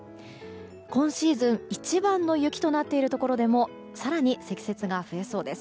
今シーズン一番の雪となっているところでも更に積雪が増えそうです。